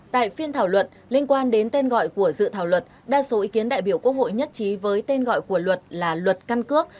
tại phiên thảo luận liên quan đến tên gọi của dự thảo luật đa số ý kiến đại biểu quốc hội nhất trí với tên gọi của luật là luật căn cước